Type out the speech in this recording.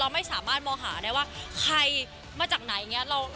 เราไม่สามารถมองหาได้ว่าใครมาจากไหน